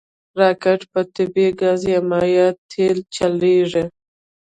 راکټ په طبعي ګاز یا مایع تېلو چلیږي